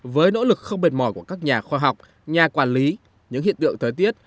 với nỗ lực không mệt mỏi của các nhà khoa học nhà quản lý những hiện tượng thời tiết